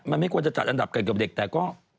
มันไม่ควรจะจัดอันดับกันกับเด็กแต่ก็